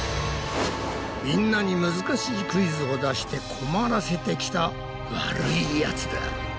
みんなに難しいクイズを出して困らせてきた悪いヤツだ。